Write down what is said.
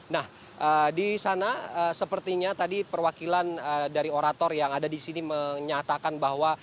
nah di sana sepertinya tadi perwakilan dari orator yang ada di sini menyatakan bahwa